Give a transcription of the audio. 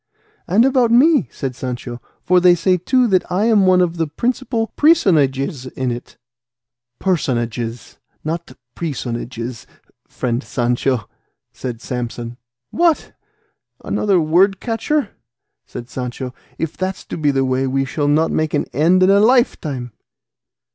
"And about me," said Sancho, "for they say, too, that I am one of the principal presonages in it." "Personages, not presonages, friend Sancho," said Samson. "What! Another word catcher!" said Sancho; "if that's to be the way we shall not make an end in a lifetime."